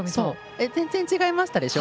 全然違いましたでしょ？